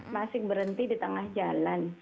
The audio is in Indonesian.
masih berhenti di tengah jalan